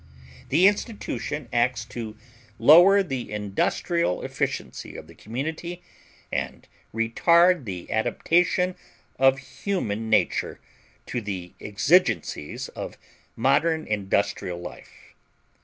The institution acts to lower the industrial efficiency of the community and retard the adaptation of human nature to the exigencies of modern industrial life.